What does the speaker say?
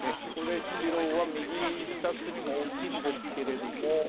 ここで白は右下隅も大きいんですけれども。